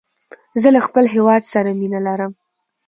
زه له خپل هيواد سره مینه لرم.